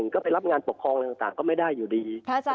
ก็ไปรับงานปกครองอะไรต่างก็ไม่ได้อยู่ดี